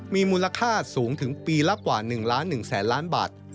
มีมูลค่าสูงถึงปีละกว่า๑ล้าน๑แสนล้านบาท